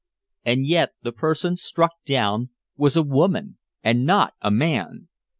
And yet the person struck down was a woman, and not a man!